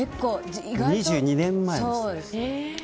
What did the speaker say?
２２年前です。